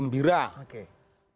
tempat anak anak bergembira